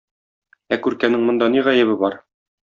Ә күркәнең монда ни гаебе бар?